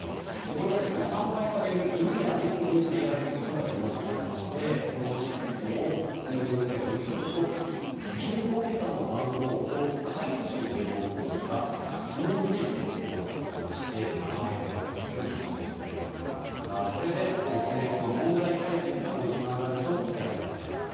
これが販売される犬や猫に入れられることが義務化されましてこのチップを専用の機械で読み取ると１５桁の番号と飼い主の情報がひもづいて登録されまして名前であったり住所まで表示されるわけなんですがこれで捨て猫の問題解決につながると期待されています。